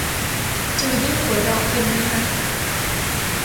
จูดี้หัวเราะเป็นมั้ยนะ